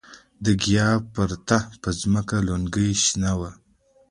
د ګیاه پرته په ځمکه لونګۍ شنه وه.